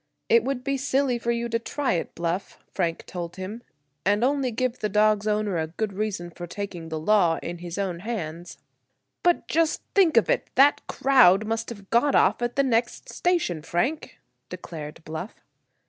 "It would be silly for you to try it, Bluff," Frank told him, "and only give the dog's owner a good reason for taking the law in his own hands." "But, just think of it, that crowd must have got off at the next station, Frank!" declared Bluff.